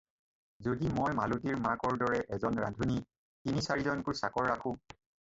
যদি মই মালতীৰ মাকৰ দৰে এজন ৰান্ধনি, তিনি চাৰিটাকৈ চাকৰ ৰাখোঁ